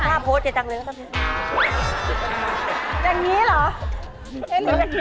ภาพโพสต์เจ็บจังเลยนะครับพี่